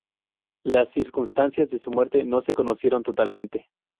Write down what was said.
Las circunstancias de su muerte no se conocieron totalmente.